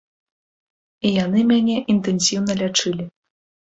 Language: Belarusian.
І яны мяне інтэнсіўна лячылі.